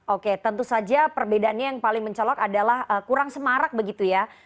oke tentu saja perbedaannya yang paling mencolok adalah kurang semarak begitu ya